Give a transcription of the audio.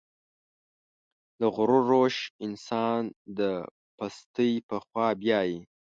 د غرور روش انسان د پستۍ په خوا بيايي.